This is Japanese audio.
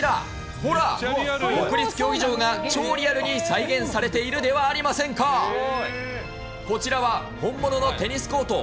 ほら、国立競技場が超リアルに再現されているではありませんか。こちらは本物のテニスコート。